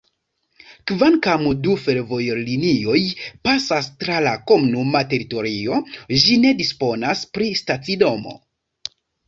Kvankam du fervojlinioj pasas tra la komunuma teritorio, ĝi ne disponas pri stacidomo.